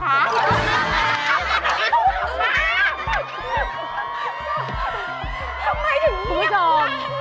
ทำไมถึงนี่